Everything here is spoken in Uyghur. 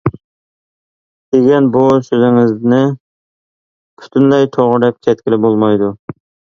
دېگەن بۇ سۆزىڭىزنى پۈتۈنلەي توغرا دەپ كەتكىلى بولمايدۇ.